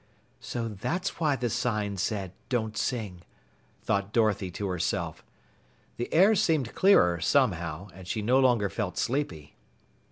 "So that's why the sign said don't sing," thought Dorothy to herself. The air seemed clearer somehow, and she no longer felt sleepy.